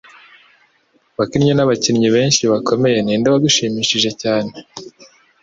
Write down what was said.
wakinnye nabakinnyi benshi bakomeye - ninde wagushimishije cyane?